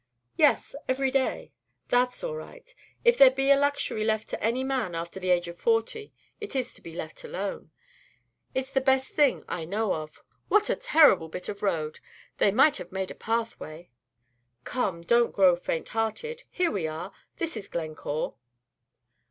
"Yes, every day." "That's all right. If there be a luxury left to any man after the age of forty, it is to be let alone. It's the best thing I know of. What a terrible bit of road! They might have made a pathway." "Come, don't grow faint hearted. Here we are; this is Glencore."